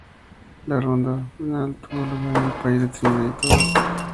La ronda final tuvo lugar en el país de Trinidad y Tobago.